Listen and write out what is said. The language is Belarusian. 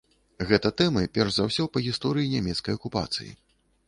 Гэта тэмы, перш за ўсё, па гісторыі нямецкай акупацыі.